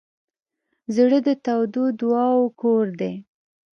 زړه د تودو دعاوو کور دی.